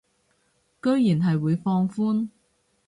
居然係會放寬